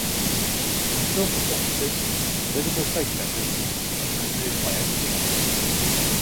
In filmed performances, visible safety mechanisms can be removed by editing.